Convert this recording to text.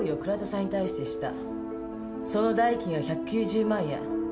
その代金は１９０万円。